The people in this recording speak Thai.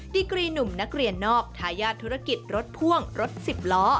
ดีกรีหนุ่มนักเรียนนอกทายาทธุรกิจรถพ่วงรถสิบล้อ